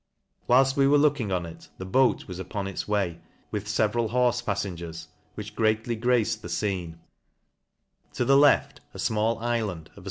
Whilff. we were looking on it, the boat was upon its way, with feveral horfe pafTengers, which greatly graced the fcene ; to the left, a fmall ifland, of a.